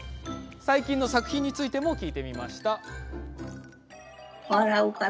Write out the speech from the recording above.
最近の作品について聞いてみました。